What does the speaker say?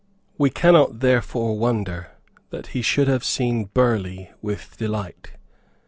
We cannot therefore wonder that he should have seen Burleigh with delight.